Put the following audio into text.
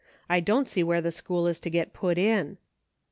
I don't see where the school is to get put in."